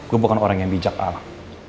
gue bukan orang yang bijak alah